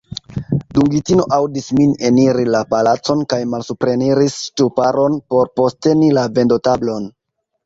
Dungitino aŭdis min eniri la palacon, kaj malsupreniris ŝtuparon por posteni la vendotablon.